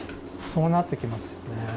そうなってきますよね。